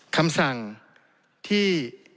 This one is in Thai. คำสั่งที่